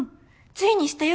ついにしたよ